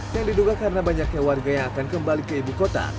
yang diduga karena banyaknya warga yang akan kembali ke ibu kota